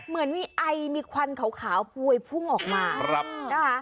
มีไอมีขวัญขาวมีภูมิภูมิออกมา